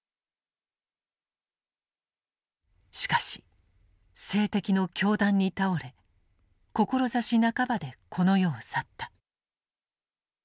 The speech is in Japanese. しかし政敵の凶弾に倒れ志半ばでこの世を去った。